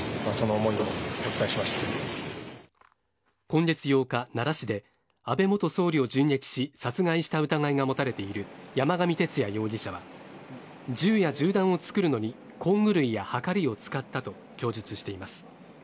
今月８日、奈良市で安倍元総理を銃撃し殺害した疑いが持たれている山上徹也容疑者は銃や銃弾を作るのに工具類や、はかりを使ったと供述しています。